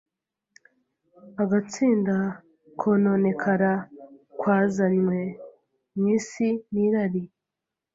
agatsinda kononekara kwazanywe mu isi n’irari.